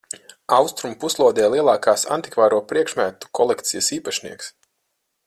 Austrumu puslodē lielākās antikvāro priekšmetu kolekcijas īpašnieks.